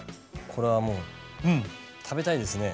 これはもう食べたいですね。